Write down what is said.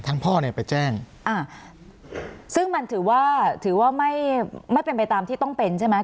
พ่อเนี่ยไปแจ้งอ่าซึ่งมันถือว่าถือว่าไม่ไม่เป็นไปตามที่ต้องเป็นใช่ไหม